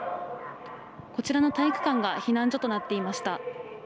こちらの体育館が避難所となっていました。